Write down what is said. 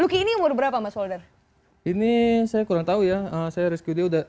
lucky ini umur berapa mas wolder ini saya kurang tahu ya saya di saya udah dua tahun